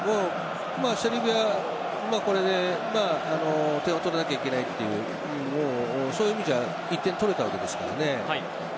セルビア、これで点を取らないといけないそういう意味じゃあ１点取れたわけですからね。